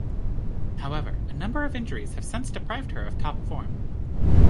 However, a number of injuries have since deprived her of top form.